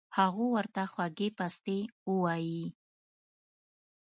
هغو ورته خوږې پستې اووائي